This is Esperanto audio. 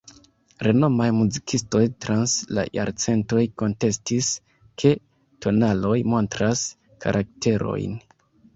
Renomaj muzikistoj trans la jarcentoj kontestis, ke tonaloj montras karakterojn.